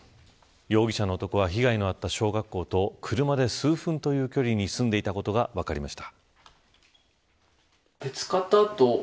容疑者の男は被害のあった小学校と車で数分という距離に住んでいたことが分かりました。